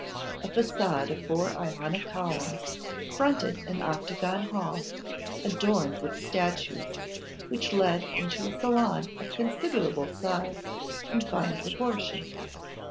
A façade of four Ionic columns fronted an octagon hall, adorned with statues, which led into a salon of considerable size and fine proportion.